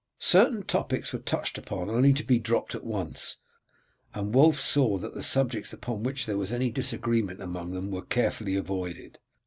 Certain topics were touched upon only to be dropped at once, and Wulf saw that subjects upon which there was any disagreement among them were carefully avoided.